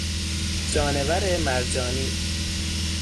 جانور مرجانی